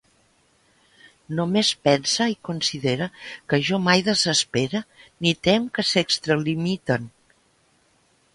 Només pense i considere que jo mai desespere, ni tem que s'extralimiten.